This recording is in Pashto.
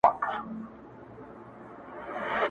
له هر چا نه اول په خپل ځان باور ولره-